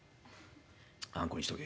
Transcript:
「あんこにしとけ」。